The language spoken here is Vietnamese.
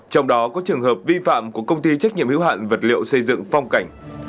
trong đó có trường hợp vi phạm của công ty trách nhiệm hữu hạn vật liệu xây dựng phong cảnh